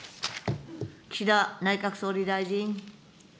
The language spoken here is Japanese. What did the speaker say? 岸田内閣総理大臣。